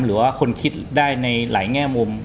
หรือว่าคนคิดได้ในหลายแง่มุม